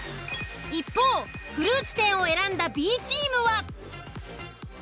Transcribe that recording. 一方フルーツ店を選んだＢチームは。